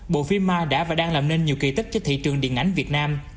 bộ phim mai đã và đang làm nên nhiều kỳ tích cho thị trường điện ảnh việt nam